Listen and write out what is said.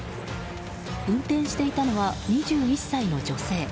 運転していたのは２１歳の女性。